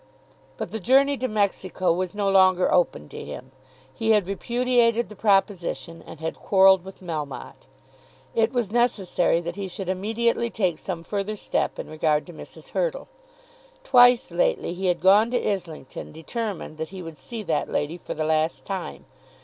But the journey to Mexico was no longer open to him. He had repudiated the proposition and had quarrelled with Melmotte. It was necessary that he should immediately take some further step in regard to Mrs. Hurtle. Twice lately he had gone to Islington determined that he would see that lady for the last time.